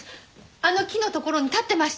あの木の所に立ってました。